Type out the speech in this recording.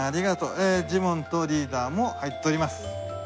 ジモンとリーダーも入っております。